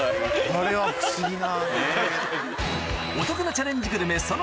あれは不思議な。